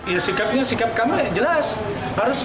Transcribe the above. ya sikapnya sikap kami jelas